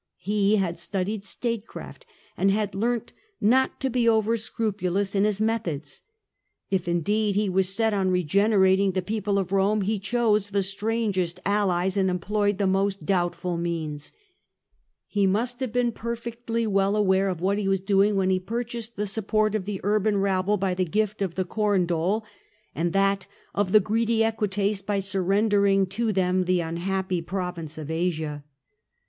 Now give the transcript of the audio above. He had studied statecraft, and had leamt not to be over scrupulous in Ms methods. If, indeed, he was set on regenerating the people of Rome, he chose the strangest allies and employed the most doubtful meana He must have been perfectly well aware of what he was doing, when he purchased the support of the urban rabble by the gift of the corn dole, and that of the greedy Equites by surrendering to them the unhappy province of Asia.